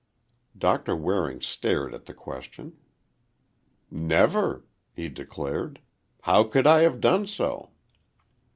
Doctor Waring stared at the question. "Never," he declared. "How could I have done so?"